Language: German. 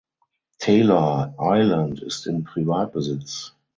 Taylor Island ist in Privatbesitz.